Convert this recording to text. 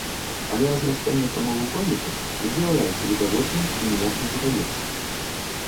Але размяшчэнне прамавугольніка не з'яўляецца відавочным і ніяк не задаецца.